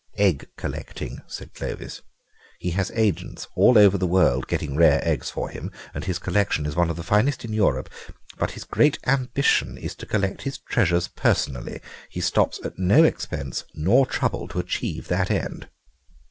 "Egg collecting," said Clovis. "He has agents all over the world getting rare eggs for him, and his collection is one of the finest in Europe; but his great ambition is to collect his treasures personally. He stops at no expense nor trouble to achieve that end."